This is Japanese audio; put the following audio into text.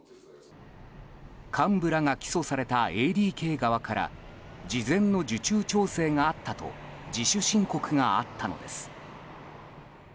幹部らが起訴されたＡＤＫ側から事前の受注調整があったと自主申告があったのです。